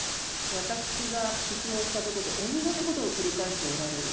私が質問したことと同じことを繰り返しておられる。